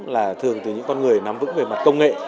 là thường từ những con người nắm vững về mặt công nghệ